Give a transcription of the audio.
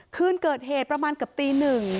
คืนเกิดเหตุประมาณกับตี๑